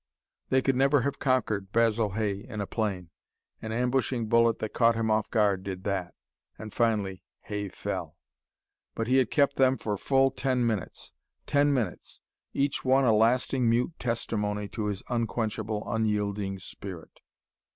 They could never have conquered Basil Hay in a plane. An ambushing bullet that caught him off guard did that. And finally Hay fell. But he had kept them for ten full minutes. Ten minutes each one a lasting, mute testimony to his unquenchable, unyielding spirit.